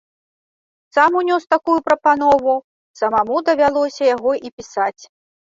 Сам унёс такую прапанову, самому давялося яго і пісаць.